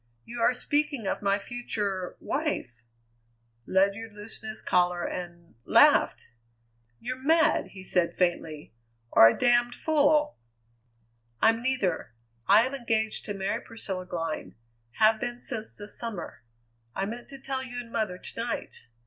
"You are speaking of my future wife!" Ledyard loosened his collar and laughed! "You're mad!" he said faintly, "or a damned fool!" "I'm neither. I am engaged to marry Priscilla Glynn; have been since the summer. I meant to tell you and mother to night.